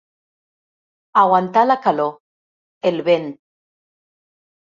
Aguantar la calor, el vent.